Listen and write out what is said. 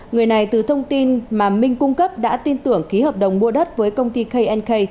người này từ thông tin mà minh cung cấp đã tin tưởng ký hợp đồng mua đất với công ty knk